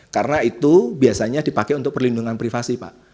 karena itu biasanya dipakai untuk perlindungan privasi pak